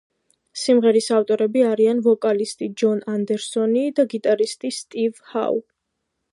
სიმღერის ავტორები არიან ვოკალისტი ჯონ ანდერსონი და გიტარისტი სტივ ჰაუ.